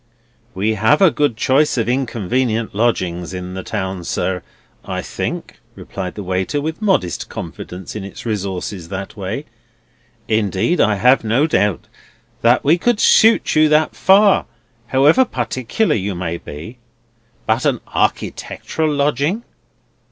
"We have a good choice of inconvenient lodgings in the town, sir, I think," replied the waiter, with modest confidence in its resources that way; "indeed, I have no doubt that we could suit you that far, however particular you might be. But a architectural lodging!"